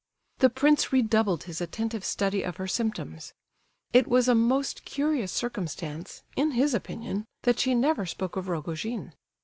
The prince redoubled his attentive study of her symptoms. It was a most curious circumstance, in his opinion, that she never spoke of Rogojin.